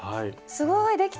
すごいできた！